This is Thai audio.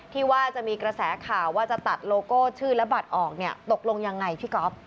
ที่ว่าจะมีกระแสข่าวว่าจะตัดโลโก้ชื่อและบัตรออกเนี่ยตกลงยังไงพี่ก๊อฟ